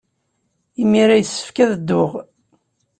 Imir-a yessefk ad dduɣ.